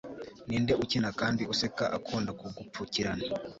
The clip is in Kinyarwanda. ninde ukina kandi useka akunda kugupfukirana